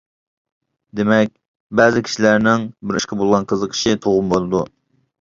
دېمەك، بەزى كىشىلەرنىڭ بىر ئىشقا بولغان قىزىقىشى تۇغما بولىدۇ.